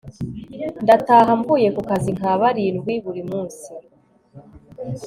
ndataha mvuye kukazi nka barindwi buri munsi